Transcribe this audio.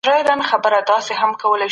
د مېوو جوس انرژي ورکوي.